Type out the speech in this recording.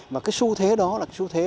và cái xu thế đó là cái xu thế